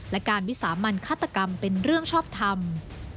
และการวิสามันฆาตกรรมเป็นเรื่องชอบทำ